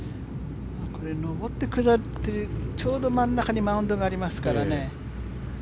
これ、上って下ってるちょうど真ん中にマウンドがありますからね。